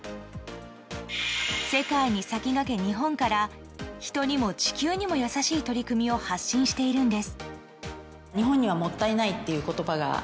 世界に先駆け、日本から人にも地球にも優しい取り組みを発信しているんです。